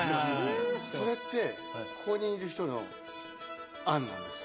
それって、ここにいる人の案なんですよ。